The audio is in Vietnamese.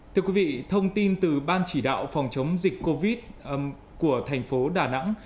thưa quý vị thông tin từ ban chỉ đạo phòng chống dịch covid của thành phố đà nẵng